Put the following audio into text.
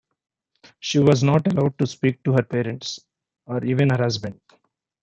She wasn't allowed to speak to her parents or even her husband.